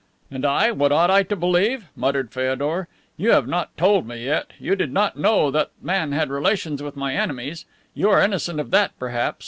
"And I, what ought I to believe?" muttered Feodor. "You have not told me yet. You did not know that man had relations with my enemies. You are innocent of that, perhaps.